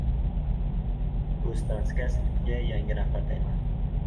«O‘ztransgaz»ga yangi rahbar tayinlandi